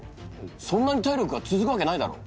そんなに体力が続くわけないだろう。